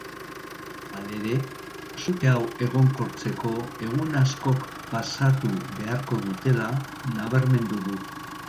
Halere, sute hau egonkortzeko egun askok pasatu beharko dutela nabarmendu du.